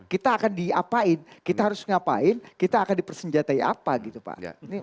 kita akan diapain kita harus ngapain kita akan dipersenjatai apa gitu pak